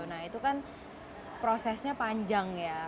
nah itu kan prosesnya panjang ya